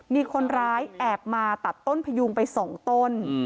มีคนร้ายแอบมาตัดต้นพยุงไป๒ต้น